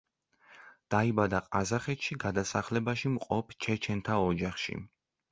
დაიბადა ყაზახეთში გადასახლებაში მყოფ ჩეჩენთა ოჯახში.